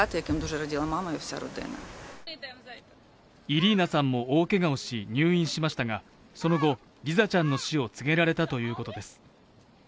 イリーナさんも大けがをし、入院しましたが、その後、リザちゃんの死を告げられたということです。